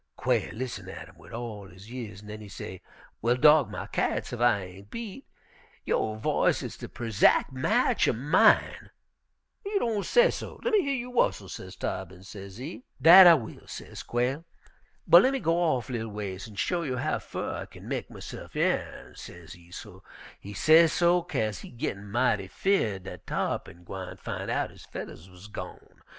Quail lissen at him wid all his years, an' den he say: 'Well, dog my cats, ef I ain' beat! Yo' voice is de prezack match er mine. "'You don't sesso! lemme year you whustle,' sez Tarr'pin, sezee. "'Dat I will,' sez Quail, 'but lemme go off li'l ways an' show you how fer I kin mek myse'f yearn,' sezee. He sesso 'kase he'z gittin' mighty 'feerd dat Tarr'pin gwine fin' out his fedders wuz gone.